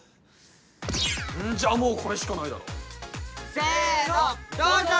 じゃあもうこれしかないだろせーのどうぞ！